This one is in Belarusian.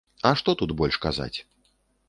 А што тут больш казаць?